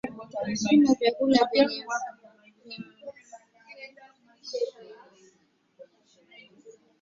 Kula vyakula vyenye vimelea vya ugonjwa wa kutupa mimba hueneza ugonjwa kwa ngombe